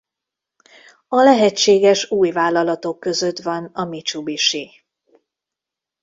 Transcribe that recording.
A lehetséges új vállalatok között van a Mitsubishi.